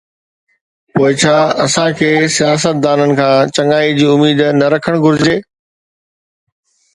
پوءِ ڇا اسان کي سياستدانن کان چڱائيءَ جي اميد نه رکڻ گھرجي؟